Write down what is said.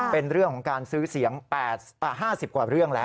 เป็นเรื่องของการซื้อเสียง๕๐กว่าเรื่องแล้ว